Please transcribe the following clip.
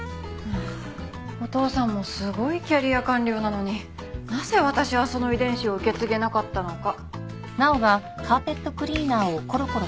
あお父さんもすごいキャリア官僚なのになぜ私はその遺伝子を受け継げなかったのか。